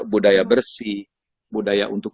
budaya bersih budaya untuk